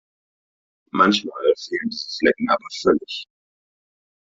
Manchmal fehlen diese Flecken aber völlig.